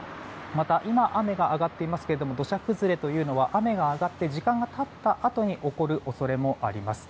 また、今は雨が上がっていますが土砂崩れというのは雨が上がって時間が経ったあとに起こる恐れもあります。